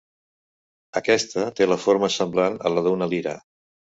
Aquesta té la forma semblant a la d'una lira.